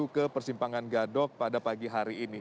menuju ke persimpangan gadok pada pagi hari ini